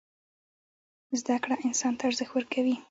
زدکړه انسان ته ارزښت ورکوي.